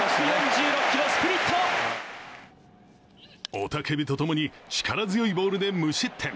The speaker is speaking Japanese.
雄たけびと共に力強いボールで無失点。